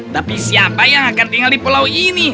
tapi siapa yang akan tinggal di pulau ini